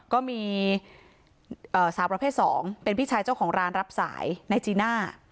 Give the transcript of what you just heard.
ก็มีสาวประเภท๒เป็นพี่ชายเจ้าของร้านรับสายนายจีน่า